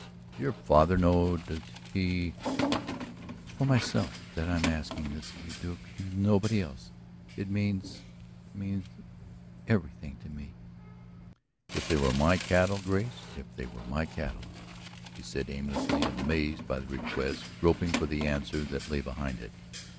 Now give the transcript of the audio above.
"Does your father know does he " "It's for myself that I'm asking this of you, Duke; nobody else. It means it means everything to me." "If they were my cattle, Grace, if they were my cattle," said he aimlessly, amazed by the request, groping for the answer that lay behind it.